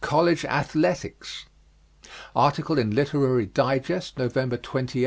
COLLEGE ATHLETICS. Article in Literary Digest, November 28, 1914.